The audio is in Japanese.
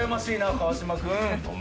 川島君。